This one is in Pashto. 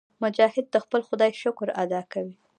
مجاهد د خپل خدای شکر ادا کوي.